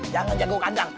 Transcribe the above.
jangan jago kandang